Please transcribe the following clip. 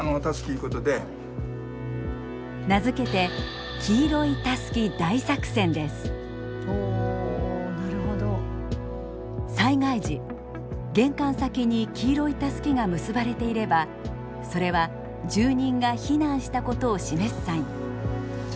名付けて災害時玄関先に黄色いタスキが結ばれていればそれは住人が避難したことを示すサイン。